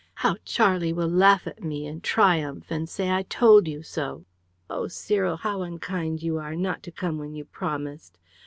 How Charlie will laugh at me, and triumph, and say 'I told you so!' Oh, Cyril, how unkind you are, not to come when you promised!